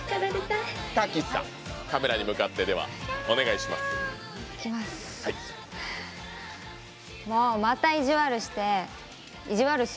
賀喜さん、カメラに向かってお願いします。